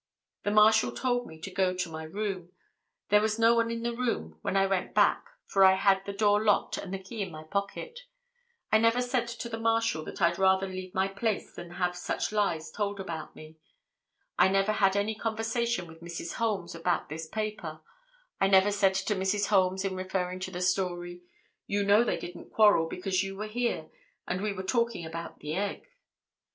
"The marshal told me to go to my room; there was no one in the room when I went back for I had the door locked and the key in my pocket; I never said to the marshal that I'd rather leave my place than have such lies told about me; I never had any conversation with Mrs. Holmes about this paper; I never said to Mrs. Holmes in referring to the story, 'You know they didn't quarrel because you were here and we were talking about the egg.